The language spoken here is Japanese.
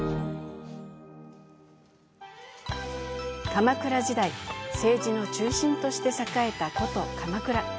鎌倉時代、政治の中心として栄えた古都・鎌倉。